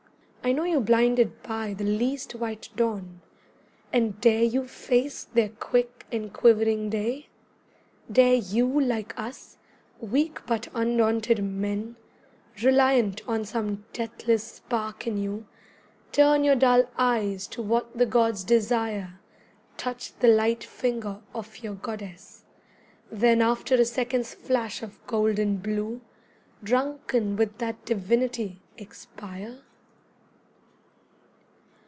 I know you blinded by the least white dawn, And dare you face their quick and quivering Day? Dare you, like us, weak but undaunted men, Reliant on some deathless spark in you Turn your dull eyes to what the gods desire, Touch the light finger of your goddess; then After a second's flash of gold and blue, Drunken with that divinity, expire?